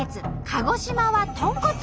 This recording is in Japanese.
鹿児島は豚骨。